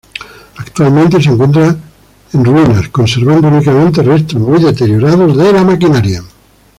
Actualmente se encuentra ruinas, conservando únicamente restos muy deteriorados de la maquinaria.